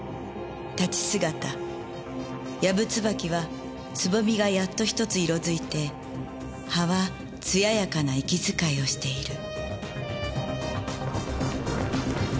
「立ち姿やぶ椿は蕾がやっと一つ色づいて葉はつややかな息遣いをしている」